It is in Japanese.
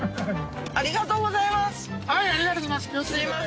ありがとうございます。